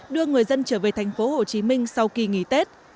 đưa người dân trở về thành phố hồ chí minh sau kỳ nghỉ tết